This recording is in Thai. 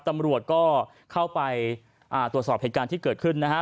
ตำรวจก็เข้าไปตรวจสอบเหตุการณ์ที่เกิดขึ้นนะฮะ